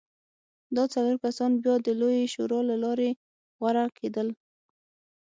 دا څلور کسان بیا د لویې شورا له لارې غوره کېدل.